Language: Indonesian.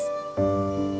kami terbang melintasi lantai